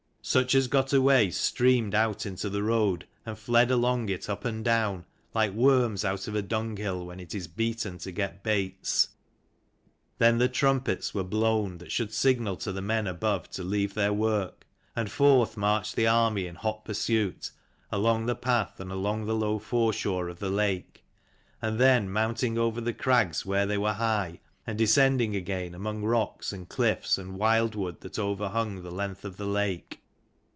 Such as got away, streamed out into the road, and fled along it up and down, like worms out of a dunghill when it is beaten to get baits. Then the trumpets were blown that should signal to the men above to leave their work : and forth marched the army in hot pursuit, along the path and along the low foreshore of the lake, and then mounting over the crags where they were high, and descending again among rocks, and cliffs, and wild wood, that overhung the length of the lake.